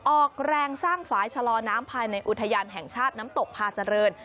ออกแรงสร้างฝ่ายชะลอน้ำภายในอุทยานแห่งชาติน้ำตกพาเจริญ